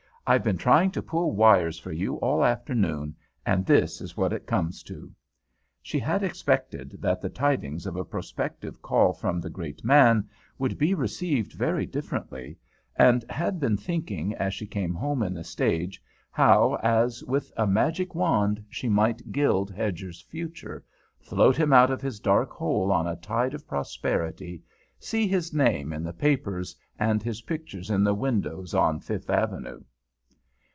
"I've been trying to pull wires for you all afternoon, and this is what it comes to." She had expected that the tidings of a prospective call from the great man would be received very differently, and had been thinking as she came home in the stage how, as with a magic wand, she might gild Hedger's future, float him out of his dark hole on a tide of prosperity, see his name in the papers and his pictures in the windows on Fifth Avenue.